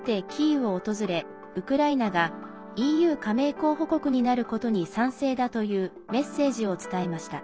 ウクライナがＥＵ加盟候補国になることに賛成だというメッセージを伝えました。